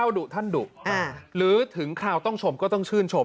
ใครที่บอกว่าไม่เสียสละเพราะที่จะทำงาน